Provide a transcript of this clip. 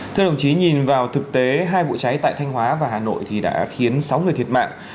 thưa đồng chí nhìn vào thực tế hai vụ cháy tại thanh hóa và hà nội thì đã khiến sáu người thiệt mạng